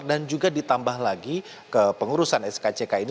dan juga ditambah lagi ke pengurusan skck ini